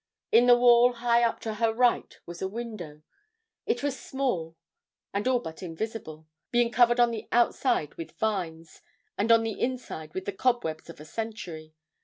In the wall high up on her right was a window. It was small and all but invisible, being covered on the outside with vines, and on the inside with the cobwebs of a century.